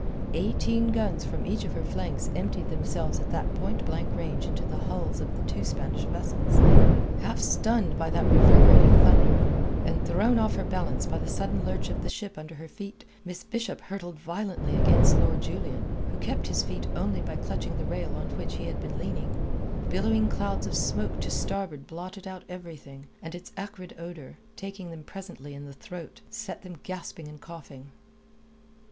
Eighteen guns from each of her flanks emptied themselves at that point blank range into the hulls of the two Spanish vessels. Half stunned by that reverberating thunder, and thrown off her balance by the sudden lurch of the ship under her feet, Miss Bishop hurtled violently against Lord Julian, who kept his feet only by clutching the rail on which he had been leaning. Billowing clouds of smoke to starboard blotted out everything, and its acrid odour, taking them presently in the throat, set them gasping and coughing.